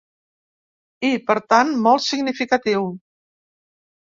I, per tant, molt significatiu.